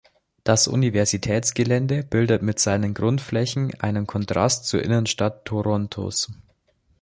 Das Universitätsgelände bildet mit seinen Grünflächen einen Kontrast zur Innenstadt Torontos.